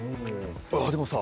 あっでもさ